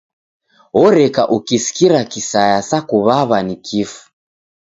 Oreka ukisikira kisaya sa kuw'aw'a ni kifu.